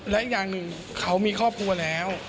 และอีกอย่างหนึ่งเขามีครอบครัวแล้ว